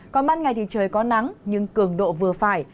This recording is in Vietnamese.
còn ban ngày thì trời có nắng nhưng cường độ vừa phải